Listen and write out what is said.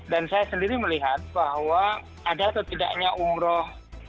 dan saya sendiri melihat bahwa ada atau tidaknya umroh